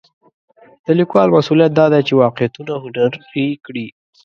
د لیکوال مسوولیت دا دی چې واقعیتونه هنري کړي.